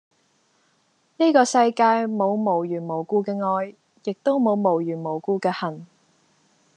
呢個世界冇無緣無故嘅愛，亦都冇無緣無故嘅恨